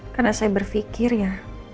karena saya berpikir ya